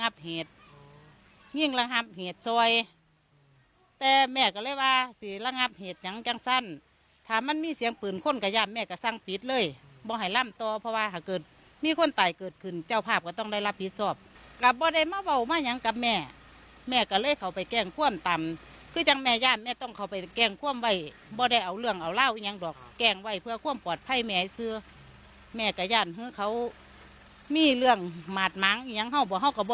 พ่อเลยเข้าไปแกล้งความตามซึ่งจำแม่ย่านจะเข้าไปแกล้งความมีปัญหา